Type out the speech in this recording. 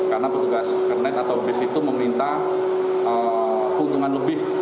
karena petugas kernet atau bis itu meminta keunggungan lebih